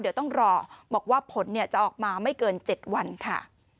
เดี๋ยวต้องรอบอกว่าผลจะออกมาไม่เกิน๗วันค่ะ